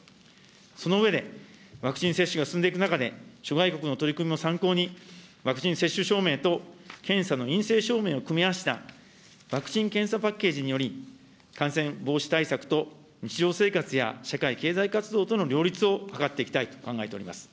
その上で、ワクチン接種が進んでいく中で、諸外国の取り組みも参考に、ワクチン接種証明と、検査の陰性証明を組み合わせた、ワクチン・検査パッケージにより、感染防止対策と日常生活や社会経済活動との両立を図っていきたいと考えております。